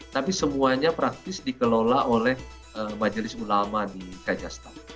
tapi semuanya praktis dikelola oleh majelis ulama di kajastan